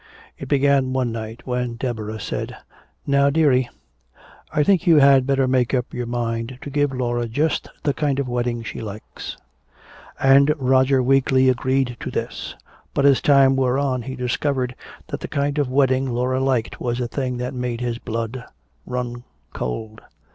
It began one night when Deborah said, "Now, dearie, I think you had better make up your mind to give Laura just the kind of wedding she likes." And Roger weakly agreed to this, but as time wore on he discovered that the kind of wedding Laura liked was a thing that made his blood run cold.